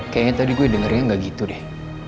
kayaknya tadi gue dengarnya gak gitu deh